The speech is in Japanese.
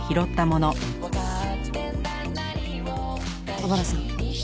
小原さん